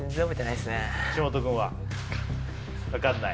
岸本くんは？分かんない？